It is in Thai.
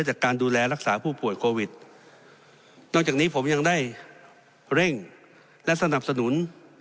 จากการดูแลรักษาผู้ป่วยโควิดนอกจากนี้ผมยังได้เร่งและสนับสนุน